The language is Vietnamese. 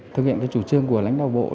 thực hiện cho chủ trương của lãnh đạo bộ